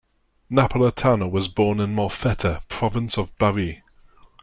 Napoletano was born in Molfetta, Province of Bari.